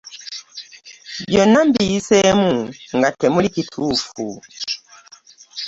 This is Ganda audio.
Byonna mbiyiseemu nga temuli kituufu.